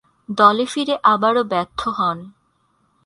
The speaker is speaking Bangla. দলে ফিরে আবারও ব্যর্থ হন।